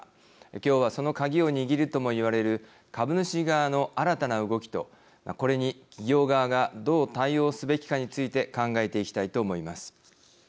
今日はその鍵を握るともいわれる株主側の新たな動きとこれに企業側がどう対応すべきかについて考えていきたいと思います。